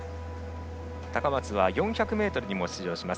高松佑圭は４００ｍにも出場します。